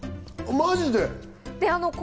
マジで。